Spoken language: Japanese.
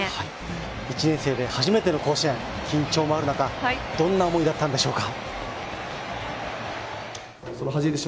１年生で初めての甲子園、緊張もある中どんな思いだったんでしょうか。